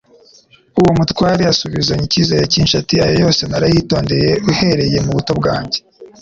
Uwo mutware asubizanya icyizere cyinshi ati: «Ayo yose narayitondcye uhereye mu buto bwanjye.»